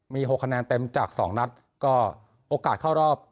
มี๖คะแนนเต็มจาก๒นัดก็โอกาสเข้ารอบ